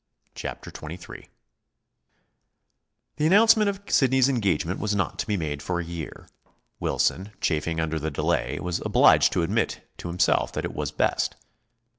CHAPTER XXIII The announcement of Sidney's engagement was not to be made for a year. Wilson, chafing under the delay, was obliged to admit to himself that it was best.